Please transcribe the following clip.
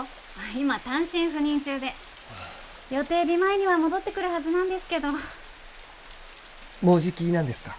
今単身赴任中で予定日前には戻ってくるはずなんですけどもうじきなんですか？